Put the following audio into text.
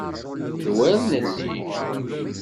D wer nelli!